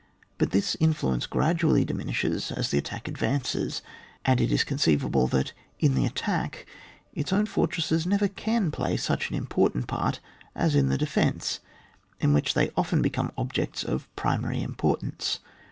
But this influ ence gradually diminishes as the attack advances ; and it is conceivable that, in the attack, its own fortresses never can play such an important part as in the defence, in which they often become ob jects of primary importance.